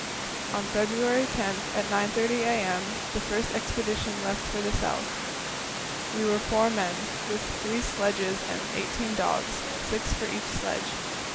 On February 10, at 9.30 a.m., the first expedition left for the South. We were four men, with three sledges and eighteen dogs, six for each sledge.